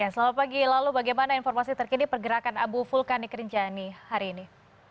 selamat pagi lalu bagaimana informasi terkini pergerakan abu vulkanik rinjani hari ini